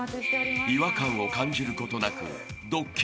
［違和感を感じることなく］